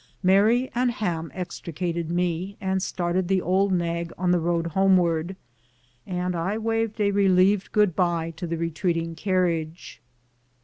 Mary and Ham extri cated me, and started the old nag on the road home w\ard, and I waved a relieved good bye to the retreating carriage.